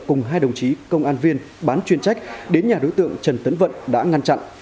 cùng hai đồng chí công an viên bán chuyên trách đến nhà đối tượng trần tấn vận đã ngăn chặn